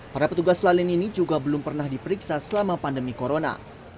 para petugas lalin ini juga belum pernah diperiksa selama pandemi corona